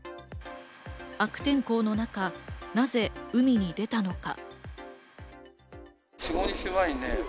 悪天候の中、なぜ海に出たのか？